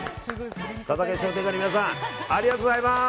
佐竹商店街の皆さんありがとうございます！